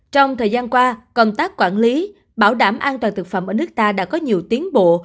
trong thời gian qua công tác quản lý bảo đảm an toàn thực phẩm ở nước ta đã có nhiều tiến bộ